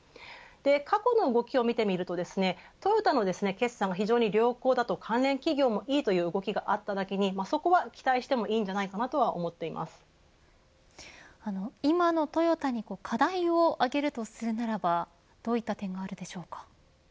過去の動きを見てみるとトヨタの決算が非常に良好だと関連企業のいいという動きがあっただけにそこは期待しても今のトヨタの課題を挙げるするとどういった点があるでしょうか。